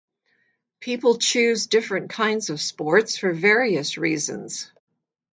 People choose different kinds of sports for various reasons.